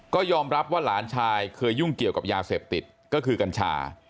ก็ยอมรับว่าหลานชายเคยยุ่งเกี่ยวกับยาเสพติดก็คือกัญชา